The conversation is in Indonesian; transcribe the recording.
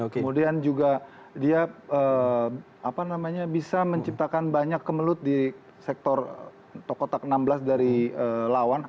kemudian juga dia bisa menciptakan banyak kemelut di sektor tokotak enam belas dari lawan